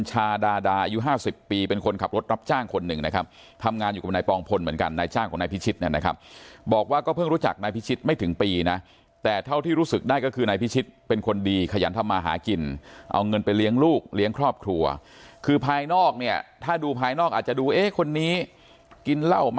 ชาดาดาอายุ๕๐ปีเป็นคนขับรถรับจ้างคนหนึ่งนะครับทำงานอยู่กับนายปองพลเหมือนกันนายจ้างของนายพิชิตเนี่ยนะครับบอกว่าก็เพิ่งรู้จักนายพิชิตไม่ถึงปีนะแต่เท่าที่รู้สึกได้ก็คือนายพิชิตเป็นคนดีขยันทำมาหากินเอาเงินไปเลี้ยงลูกเลี้ยงครอบครัวคือภายนอกเนี่ยถ้าดูภายนอกอาจจะดูเอ๊ะคนนี้กินเหล้ามา